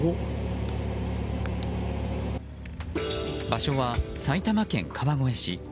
場所は埼玉県川越市。